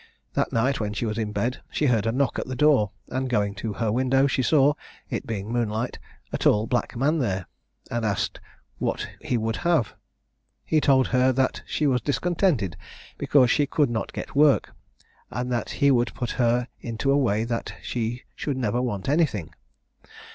That night, when she was in bed, she heard a knock at her door, and going to her window, she saw (it being moon light) a tall black man there: and asked what he would have? He told her that she was discontented, because she could not get work; and that he would put her into a way that she should never want anything.